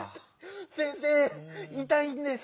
先生いたいんです。